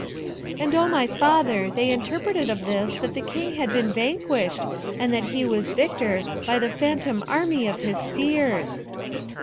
And, O my father, they interpreted of this that the King had been vanquished, he that was victor, by the phantom army of his fears.'